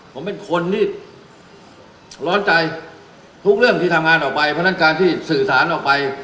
ผมเป็นคนที่ร้อนใจทุกเรื่องที่ทำงานออกไปเพราะฉะนั้นการที่สื่อสารออกไป